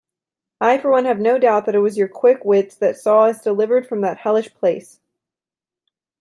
I for one have no doubt that it was your quick wits that saw us delivered from that hellish place.